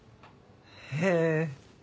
へえ。